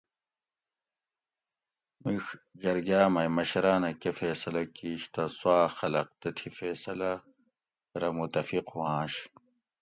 مِیڄ جرگاۤ مئی مشراۤنہ کہ فیصلہ کِیش تہ سوآۤ خلق تتھی فیصلہ رہ متفق ہوانش